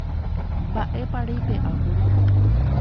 Mba'épa reipe'ákuri.